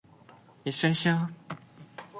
一緒にしよ♡